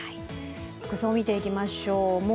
服装見ていきましょう。